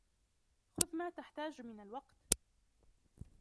خذ ما تحتاج من الوقت.